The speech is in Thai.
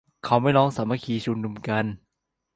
เขาไม่ร้องสามัคคีชุมนุมกัน